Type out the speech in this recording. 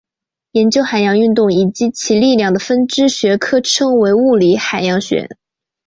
研究海洋运动以及其力量的分支学科称为物理海洋学。